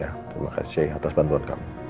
ya terima kasih atas bantuan kamu